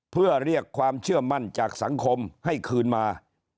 เพื่อเรียกความเชื่อมั่นจากสังคมให้คืนมา